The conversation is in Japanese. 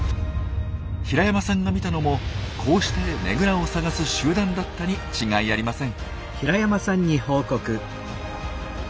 平山さんが見たのもこうしてねぐらを探す集団だったに違いありません。